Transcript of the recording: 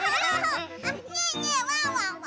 ねえねえワンワンは？